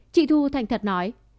chị thu thành thật nói